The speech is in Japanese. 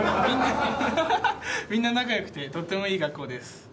みんな仲良くてとってもいい学校です。